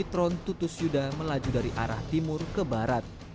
tron tutus yuda melaju dari arah timur ke barat